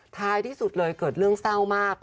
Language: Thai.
ท้ายที่สุดเลยเกิดเรื่องเศร้ามาก